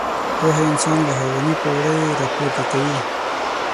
پوهه انسان له حيواني پوړۍ راپورته کوي.